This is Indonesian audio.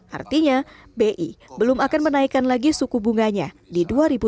artinya bi belum akan menaikkan lagi suku bunganya di dua ribu dua puluh